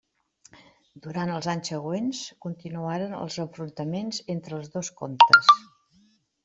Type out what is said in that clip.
Durant els anys següents continuaren els enfrontaments entre els dos comtes.